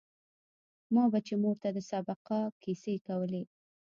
ما به چې مور ته د سبقانو کيسې کولې.